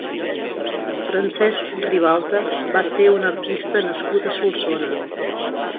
Francesc Ribalta va ser un artista nascut a Solsona.